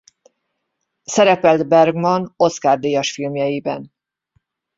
Szerepelt Bergman Oscar-díjas filmjeiben.